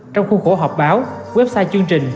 trong khuôn khổ họp báo website chương trình